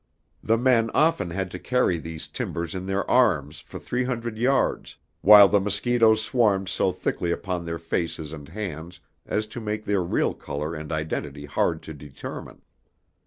The men often had to carry these timbers in their arms for three hundred yards, while the mosquitoes swarmed so thickly upon their faces and hands as to make their real color and identity hard to determine.